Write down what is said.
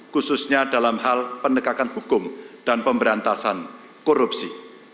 khususnya dalam hal penegakan hukum dan pemberantasan korupsi